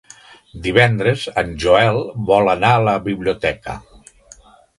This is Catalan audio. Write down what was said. Divendres en Joel vol anar a la biblioteca.